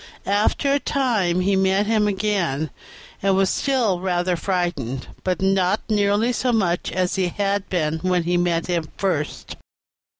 After a time he met him again, and was still rather frightened, but not nearly so much as he had been when he met him first.